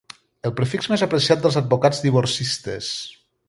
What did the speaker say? El prefix més apreciat pels advocats divorcistes.